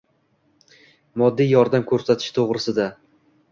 moddiy yordam ko‘rsatish to‘g‘risida.